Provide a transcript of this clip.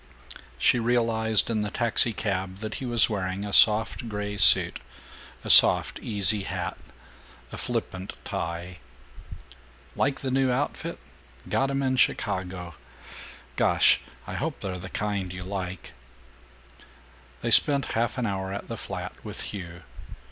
She realized, in the taxicab, that he was wearing a soft gray suit, a soft easy hat, a flippant tie. "Like the new outfit? Got 'em in Chicago. Gosh, I hope they're the kind you like." They spent half an hour at the flat, with Hugh.